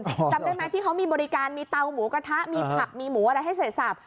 จำได้ไหมที่เขามีบริการมีเตาหมูกระทะมีผักมีหมูอะไรให้เสร็จสับ